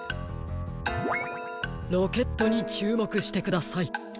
ロケットにちゅうもくしてください。